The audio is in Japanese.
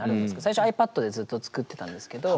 最初ｉＰａｄでずっと作ってたんですけど。